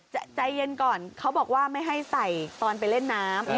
ใจเย็นก่อนเขาบอกว่าไม่ให้ใส่ตอนไปเล่นน้ำ